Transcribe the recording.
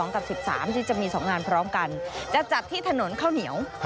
กับ๑๓ที่จะมี๒งานพร้อมกันจะจัดที่ถนนข้าวเหนียว